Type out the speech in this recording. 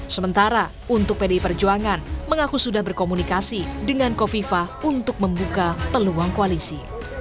sementara untuk pdi perjuangan mengaku sudah berkomunikasi dengan kofifah untuk membuka peluang koalisi